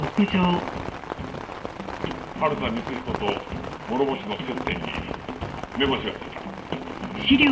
春田光彦と諸星の接点に目星がついた。